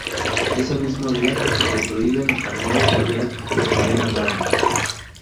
Ese mismo día le prohíben a Moe volver a ver a Maggie.